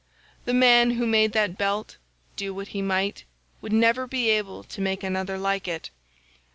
The man who made that belt, do what he might, would never be able to make another like it.